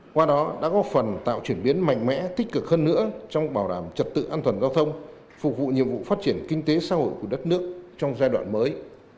qua đó đã góp phần tạo chuyển biến mạnh mẽ tích cực hơn nữa trong bảo đảm trật tự an toàn giao thông phục vụ nhiệm vụ phát triển kinh tế xã hội của đất nước trong giai đoạn mới